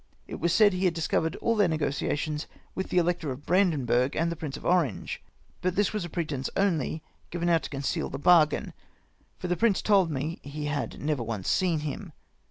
It was said he had discovered all their negotiations with the Elector of Brandenburg and the Prince of Orange. But this was a pretence only, given out to conceal the bar gain; for the prince told me he had never once seen him.